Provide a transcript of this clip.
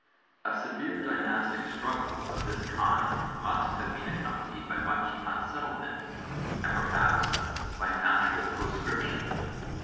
A severe dynastic struggle of this kind must have been accompanied by much unsettlement and perhaps by an actual proscription.